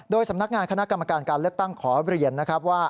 สำนักงานคณะกรรมการการเลือกตั้งขอเรียนนะครับว่า